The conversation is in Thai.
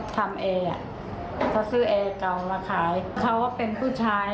ทำเอเขาซื้อเอเก่ามาขายเขาว่าเป็นผู้ชาย